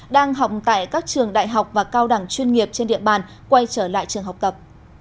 đang học tại các trường đại học và cao đẳng chuyên nghiệp trên địa bàn quay trở lại trường học tập